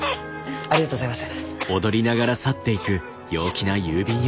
ありがとうございます。